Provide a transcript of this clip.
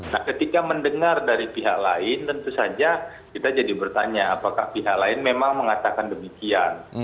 nah ketika mendengar dari pihak lain tentu saja kita jadi bertanya apakah pihak lain memang mengatakan demikian